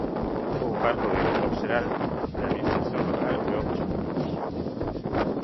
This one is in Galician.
Ocupou o cargo de director xeral de Administración Local e de Obras Públicas.